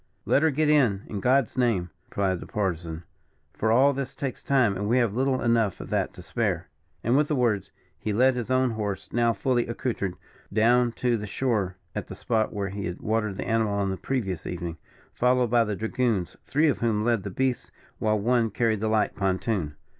"Let her get in, in God's name!" replied the Partisan, "for all this takes time, and we have little enough of that to spare." And, with the words, he led his own horse, now fully accoutered, down to the shore, at the spot where he had watered the animal on the previous evening, followed by the dragoons, three of whom led the beasts, while one carried the light pontoon.